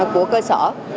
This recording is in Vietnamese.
của cơ sở